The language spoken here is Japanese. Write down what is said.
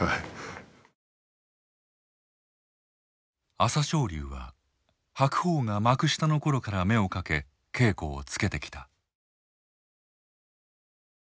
朝青龍は白鵬が幕下の頃から目をかけ稽古をつけてきた。